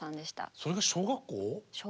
それが小学校？